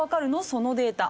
そのデータ。